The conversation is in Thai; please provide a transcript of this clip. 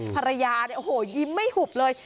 ภรรยายิ้มไม่หุบเลย